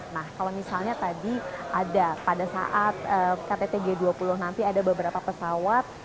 nah kalau misalnya tadi ada pada saat ktt g dua puluh nanti ada beberapa pesawat